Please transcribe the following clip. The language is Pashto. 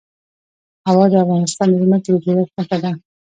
هوا د افغانستان د ځمکې د جوړښت نښه ده.